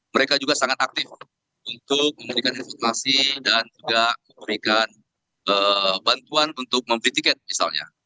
mereka juga sangat aktif untuk memberikan informasi dan juga memberikan bantuan untuk membeli tiket misalnya